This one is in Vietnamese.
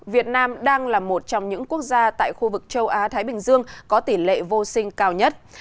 việt nam đang là một trong những quốc gia tại khu vực châu á thái bình dương có tỷ lệ vô sinh cao nhất